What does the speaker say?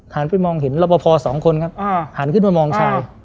หันไปมองเห็นรับพอสองคนครับอ้าวหันขึ้นมามองชายอ้าว